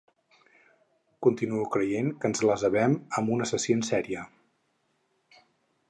Continuo creient que ens les havem amb un assassí en sèrie.